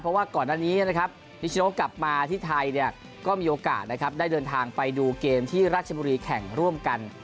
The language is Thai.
เพราะว่าก่อนอันนี้นะครับนิชโนกลับมาที่ไทยเนี่ยก็มีโอกาสนะครับได้เดินทางไปดูเกมที่ราชบุรีแข่งร่วมกัน